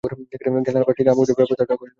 জ্ঞান হারাবার ঠিক আগমুহূর্তে ব্যথাটা কমে গেল।